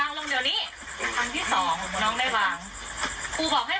อ่ะเหนียวก็เลยว่าน้องไม่มีมารยาทเลยทำกับครูแบบนี้ได้ไง